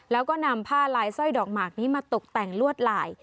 แล้วก็นำผ้าลายสร้อยดอกหมากนี้มาตกแต่งลวดลาย